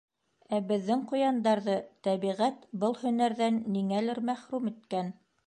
Ә беҙҙең ҡуяндарҙы тәбиғәт был һөнәрҙән ниңәлер мәхрүм иткән.